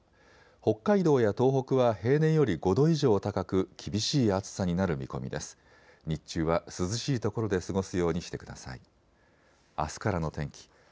北海道や東北は平年より５度以上高く厳しい暑さになる見込みです。